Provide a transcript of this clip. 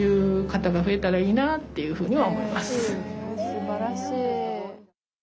すばらしい。